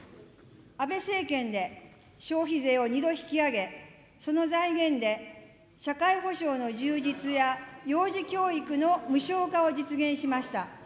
安倍政権で消費税を２度引き上げ、その財源で社会保障の充実や幼児教育の無償化を実現しました。